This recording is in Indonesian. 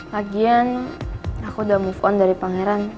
lagian aku udah move on dari pangeran